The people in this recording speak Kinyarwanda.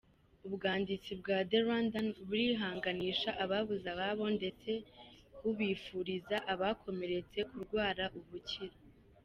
Ubwanditsi bwa The Rwandan burihanganisha ababuze ababo ndetse bukifuriza abakomeretse kurwara ubukira.